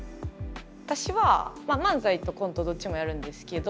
私は漫才とコントどっちもやるんですけど